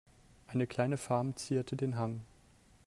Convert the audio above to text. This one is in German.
Eine kleine Farm zierte den Hang.